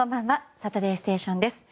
「サタデーステーション」です。